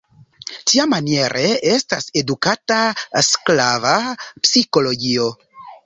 Tiamaniere estas edukata sklava psikologio.